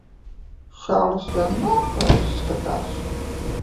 Čalis vienmēr tā izskatās.